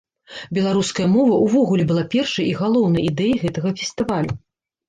Беларуская мова ўвогуле была першай і галоўнай ідэяй гэтага фестывалю.